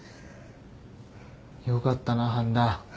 よかったな半田。